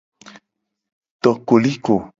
To koliko.